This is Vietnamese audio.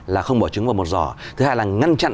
là không bỏ trứng vào một giỏ thứ hai là ngăn chặn